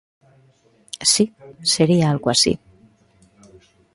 Si, sería algo así.